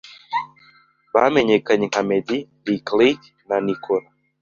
bamenyekanye nka Meddy, Lick Lick na Nicolas